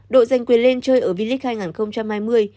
đội giành quyền lên chơi ở v league hai nghìn hai mươi